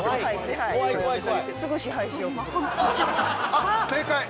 あっ正解！